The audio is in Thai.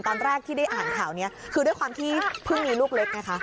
ตอนแรกที่ได้อ่านข่าวนี้คือด้วยความที่เพิ่งมีลูกเล็กไงคะ